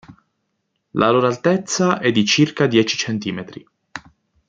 La loro altezza è di circa dieci centimetri.